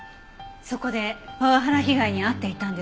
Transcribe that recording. そこでパワハラ被害に遭っていたんですね。